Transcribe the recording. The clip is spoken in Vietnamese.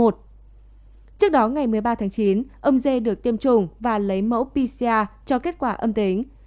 trước đó ngày một mươi ba tháng chín ông dê được tiêm chủng và lấy mẫu pcr cho kết quả âm tính